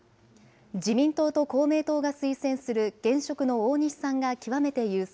自民党と公明党が推薦する現職の大西さんが極めて優勢。